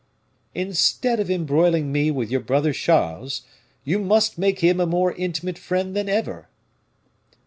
"Instead of embroiling me with your brother Charles, you must make him a more intimate friend than ever."